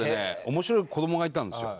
面白い子供がいたんですよ。